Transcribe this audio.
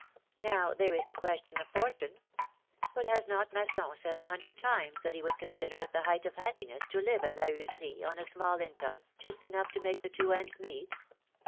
Now, there is the question of fortune; but has not Masson said a hundred times that he would consider it the height of happiness to live at La Heuserie on a small income, just enough to make the two ends meet?